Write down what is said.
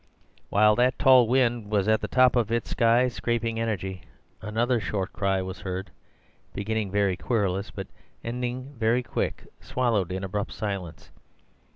While that tall wind was at the top of its sky scraping energy, another short cry was heard, beginning very querulous, but ending very quick, swallowed in abrupt silence.